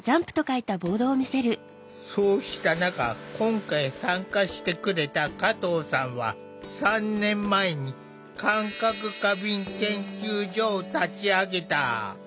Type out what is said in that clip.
そうした中今回参加してくれた加藤さんは３年前に「感覚過敏研究所」を立ち上げた。